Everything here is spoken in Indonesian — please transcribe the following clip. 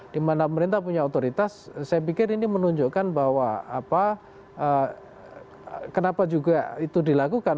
dimana pemerintah punya otoritas saya pikir ini menunjukkan bahwa kenapa juga itu dilakukan